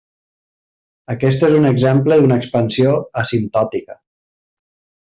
Aquest és un exemple d'una expansió asimptòtica.